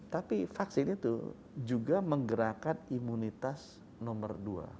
tapi vaksin itu juga menggerakkan imunitas nomor dua